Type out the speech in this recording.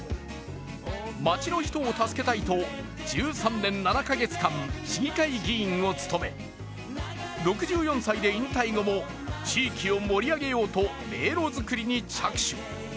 街の人を助けたいと１３年７か月間市議会議員を務め６４歳で引退後も地域を盛り上げようと迷路作りに着手。